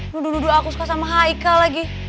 nuduh nuduh aku suka sama haikal lagi